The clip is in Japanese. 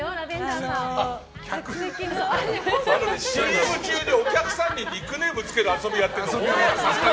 ＣＭ中にお客さんにニックネームつける遊びやってるんですよ。